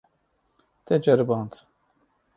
Te ceriband.